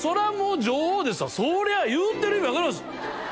そりゃ言うてる意味分かります。